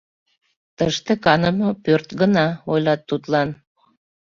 Тыште каныме пӧрт гына, — ойлат тудлан.